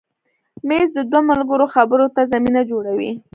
مېز د دوو ملګرو خبرو ته زمینه جوړوي.